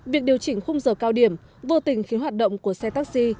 việc điều chỉnh khung giờ cao điểm vô tình khiến hoạt động của xe taxi